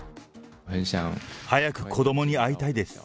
早く子どもに会いたいです。